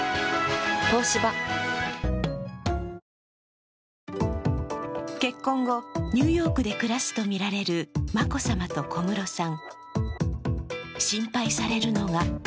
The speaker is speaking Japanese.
東芝結婚後、ニューヨークで暮らすとみられる眞子さまと小室さん。